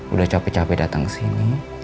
udah capek capek datang kesini